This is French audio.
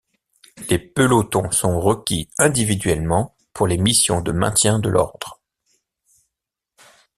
Les pelotons sont requis individuellement pour les missions de maintien de l'ordre.